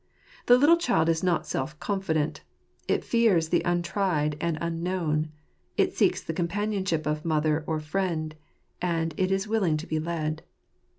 The little child is not self confident : it fears the untried and unknown; it seeks the companionship of mother or friend ; and it is willing to be led.